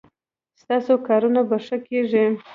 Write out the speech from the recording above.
ستاسو کارونه به ښه کیږي